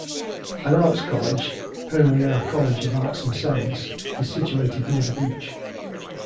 An arts college, Periyar College of Arts and Science, is situated near the beach.